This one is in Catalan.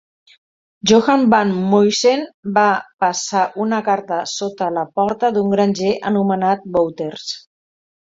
Johan van Muysen va passar una carta sota la porta d'un granger anomenat Wouters.